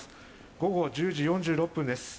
午後１０時４６分です。